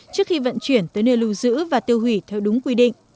trước khi vận chuyển tới nơi lưu giữ và tiêu hủy theo đúng quy định